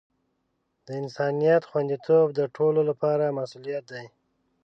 د انسانیت خوندیتوب د ټولو لپاره مسؤولیت دی.